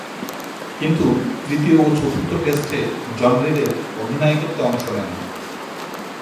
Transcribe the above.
কিন্তু, তৃতীয় ও চতুর্থ টেস্টে জন রিডের অধিনায়কত্বে অংশ নেন।